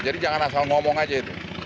jadi jangan asal ngomong aja itu